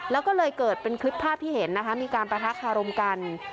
แล้วก็เลยเกิดเป็นคลิปภาพที่เห็นนะคะมีการประทะคารมกัน